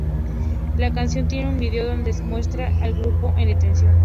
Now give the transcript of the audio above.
La canción tiene un video donde muestra al grupo en detención.